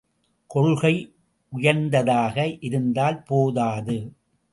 கொள்கை உயர்ந்ததாக இருந்தால் போதாது!